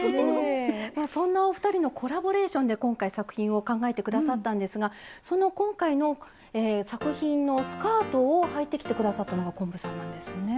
そんなお二人のコラボレーションで今回作品を考えて下さったんですがその今回の作品のスカートをはいてきて下さったのが昆布さんなんですね。